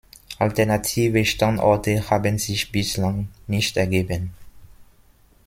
Alternative Standorte haben sich bislang nicht ergeben.